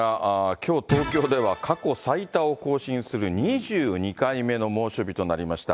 きょう、東京では過去最多を更新する２２回目の猛暑日となりました。